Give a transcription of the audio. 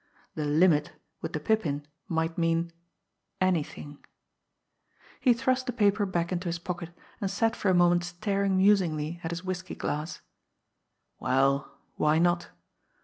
The "limit" with the Pippin might mean anything. He thrust the paper back into his pocket, and sat for a moment staring musingly at his whisky glass. Well, why not?